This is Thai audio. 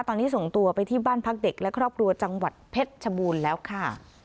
ตอนนี้ส่งตัวไปที่บ้านพักเด็กและครอบครัวจังหวัดเพชรชบูรณ์แล้วค่ะ